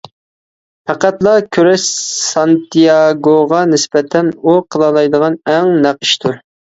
پەقەتلا كۈرەش سانتىياگوغا نىسبەتەن ئۇ قىلالايدىغان ئەڭ نەق ئىشتۇر.